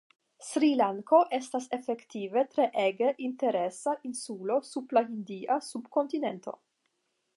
Sri-Lanko estas efektive treege interesa insulo sub la hindia subkontinento.